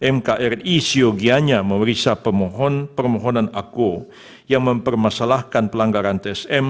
mkri siogianya memeriksa permohonan ako yang mempermasalahkan pelanggaran tsm